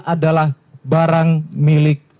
adalah barang milik